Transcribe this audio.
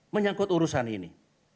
menyangkut urusan ini